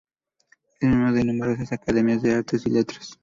Es miembro de numerosas academias de Artes y Letras.